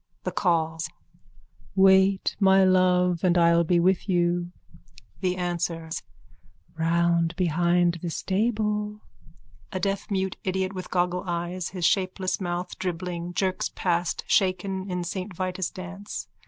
_ THE CALLS: Wait, my love, and I'll be with you. THE ANSWERS: Round behind the stable. _(A deafmute idiot with goggle eyes, his shapeless mouth dribbling, jerks past, shaken in Saint Vitus' dance.